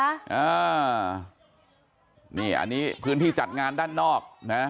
อันนี้อันนี้พื้นที่จัดงานด้านนอกนะ